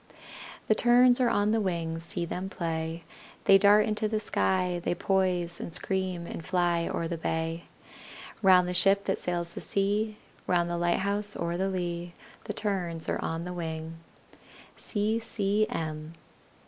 The Terns are on the wing, See them play! They dart into the sky, They poise, and scream, and fly O'er the bay; Round the ship that sails the sea, Round the lighthouse o'er the lea The Terns are on the wing!